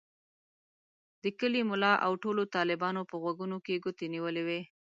د کلي ملا او ټولو طالبانو په غوږونو کې ګوتې نیولې وې.